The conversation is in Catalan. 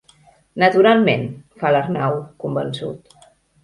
Naturalment —fa l'Arnau, convençut.